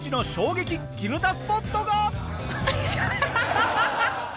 ハハハハ！